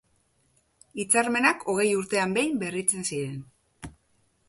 Hitzarmenak hogei urtean behin berritzen ziren.